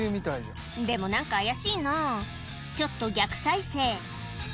でも何か怪しいなちょっと逆再生